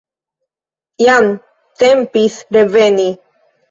Jam tempis reveni.